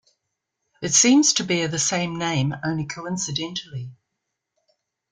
It seems to bear the same name only coincidentally.